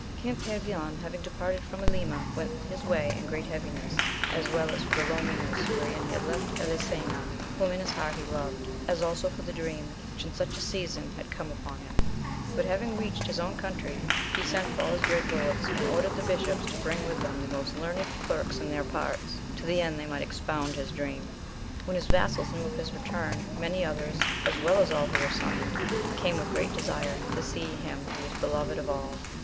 ING PEEION having departed from AKma went his way in great heaviness, as well as for the loneliness wherein he had left Elisena whom in his heart he loved, as also for the dream which in such a season had come uponhim. Buthavingreached his own country, he sent for all his great lords, and ordered the bishops to bring with them the most learned clerks in their parts, to the end they might expound his dream. When his vassals knew of his return, many others, as well as all who were summoned, came with great desire to see him who was beloved of all.